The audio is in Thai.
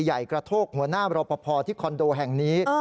ใหญ่กระโทกหัวหน้ารอปภที่คอนโดแห่งนี้